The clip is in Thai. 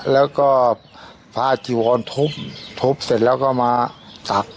แล้วก็พระอจิวรถบเสร็จแล้วก็มาสัก